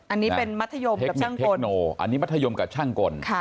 อันนี้เป็นมัธยมกับช่างเทศโนอันนี้มัธยมกับช่างกล